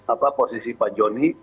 apa posisi pak joni